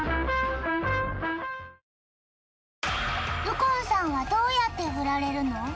右近さんはどうやってフラれるの？